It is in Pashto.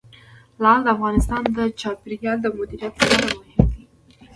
لعل د افغانستان د چاپیریال د مدیریت لپاره مهم دي.